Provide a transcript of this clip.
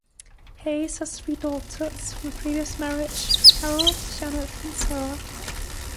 Hays has three daughters from a previous marriage: Carol, Janet and Sarah.